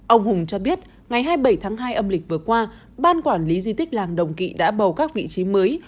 ông hùng cho biết ngày hai mươi bảy tháng hai âm lịch vừa qua ban quản lý di tích làng đồng kỵ đã bầu các vị trí mới